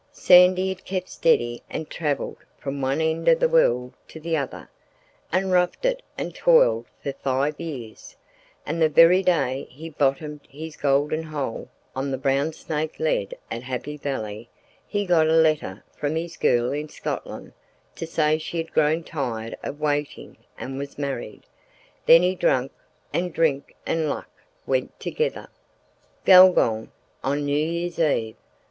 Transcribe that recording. Sandy had kept steady and travelled from one end of the world to the other, and roughed it and toiled for five years, and the very day he bottomed his golden hole on the Brown Snake Lead at Happy Valley he got a letter from his girl in Scotland to say she had grown tired of waiting and was married. Then he drank, and drink and luck went together. Gulgong on New Year's Eve!